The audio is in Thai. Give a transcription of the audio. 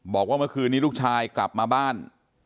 บอกว่าเมื่อคืนนี้ลูกชายกลับมาบ้าน